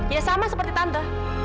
ya sama seperti tante